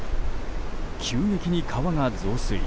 急激に川が増水。